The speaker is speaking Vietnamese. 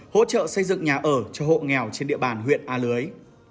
hỗ trợ xây dựng nhà ở cho hộ nghèo trên địa bàn huyện a lưới